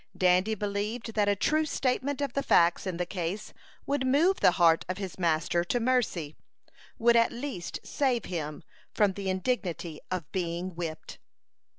Dandy believed that a true statement of the facts in the case would move the heart of his master to mercy would at least save him from the indignity of being whipped.